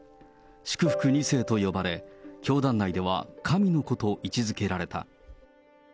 祝福２世と呼ばれ、教団内では神の子と位置づけられた。